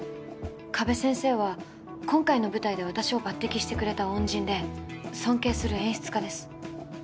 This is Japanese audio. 加部先生は今回の舞台で私を抜てきしてくれた恩人で尊敬する演出家です。